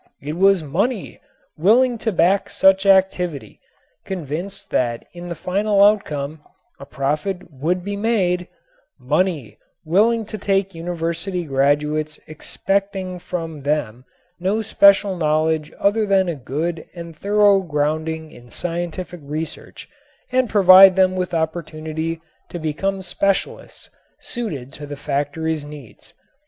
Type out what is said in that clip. It was money, willing to back such activity, convinced that in the final outcome, a profit would be made; money, willing to take university graduates expecting from them no special knowledge other than a good and thorough grounding in scientific research and provide them with opportunity to become specialists suited to the factory's needs.